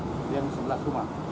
kemudian sebelah rumah